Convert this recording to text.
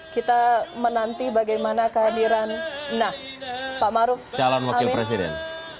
kita menanti bagaimana kehadiran pak maruf amin